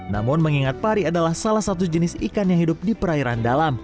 namun mengingat pari adalah salah satu jenis ikan yang hidup di perairan dalam